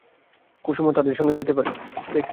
কুসুমও তাদের সঙ্গে যাইতে পারে।